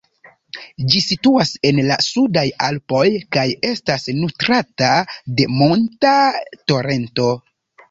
Ĝi situas en la Sudaj Alpoj kaj estas nutrata de monta torento.